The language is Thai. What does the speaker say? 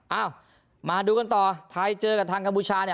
เอ้ามาดูกันต่อไทยเจอกับทางกัมพูชาเนี่ย